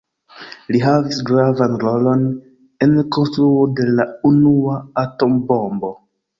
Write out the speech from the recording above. Li havis gravan rolon en konstruo de la unua atombombo.